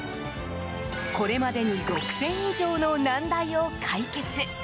これまでに６０００以上の難題を解決。